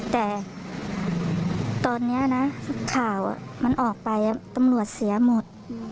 แต่ตอนนี้นะข่าวมันออกไปตำรวจเสียหมด